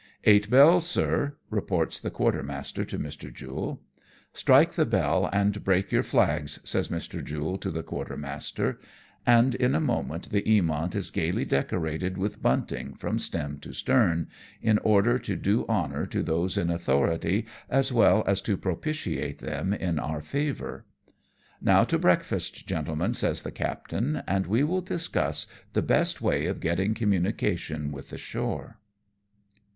" Eight bells, sir," reports the quartermaster to Mr. Jule. " Strike the bell and break your flags," says Mr. Jule to the quartermaster ; and in a moment the Eamont is gaily decorated with bunting from stem to stern, in order to do honour to those in authority as well as to propitiate them in our favour. "Now to breakfast, gentlemen," says the captain, " and we wiU discuss the best way of getting communi cation with the shore."